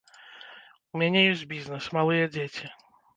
У мяне ёсць бізнэс, малыя дзеці.